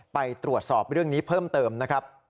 ไปตรวจสอบเรื่องนี้เพิ่มเติมนะครับ